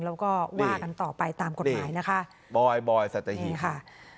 แล้วก็ว่ากันต่อไปต่างกฎหมายนะคะ